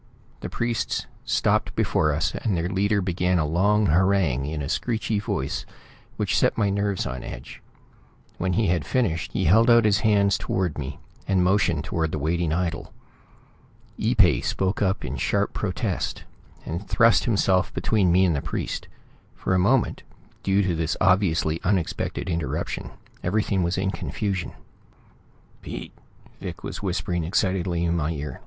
The priests stopped before us and their leader began a long harangue in a screechy voice which set my nerves on edge. When he had finished he held out his hands toward me, and motioned toward the waiting idol. Ee pay spoke up in sharp protest, and thrust himself between me and the priest. For a moment, due to this obviously unexpected interruption, everything was in confusion. "Pete!" Vic was whispering excitedly in my ear.